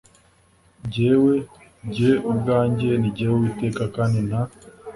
jyewe jye ubwanjye ni jyewe uwiteka kandi nta